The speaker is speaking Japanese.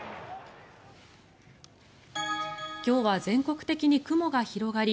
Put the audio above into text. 今日は全国的に雲が広がり